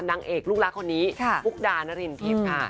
นางเอกลูกรักคนนี้มุกดานรินทิพย์ค่ะ